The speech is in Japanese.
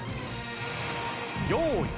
用意。